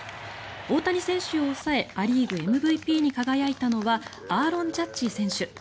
大谷選手を抑えア・リーグＭＶＰに輝いたのはアーロン・ジャッジ選手。